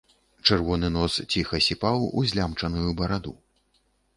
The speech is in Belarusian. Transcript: Чырвоны нос ціха сіпаў у злямчаную бараду.